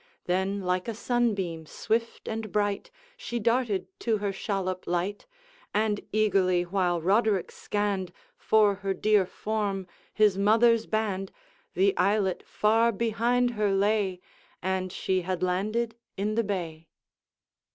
Then, like a sunbeam, swift and bright, She darted to her shallop light, And, eagerly while Roderick scanned, For her dear form, his mother's band, The islet far behind her lay, And she had landed in the bay.